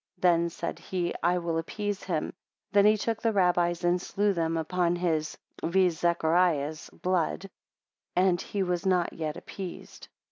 Then, said he, I will appease him; then he took the rabbis and slew them upon his (viz. Zacharias's) blood, and he was not yet appeased.